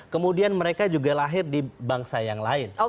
kemudian mereka juga lahir di bangsa yang lain